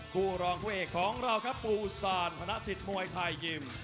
คู่รองผู้เอกของเราครับปูซานธนสิทธิ์มวยไทยยิม